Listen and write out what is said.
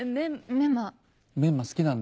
メンマ好きなんだよね。